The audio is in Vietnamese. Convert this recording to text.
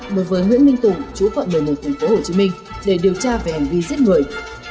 đối với nguyễn minh tùng chú quận một mươi một tp hcm để điều tra về hành vi giết người